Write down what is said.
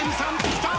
きた！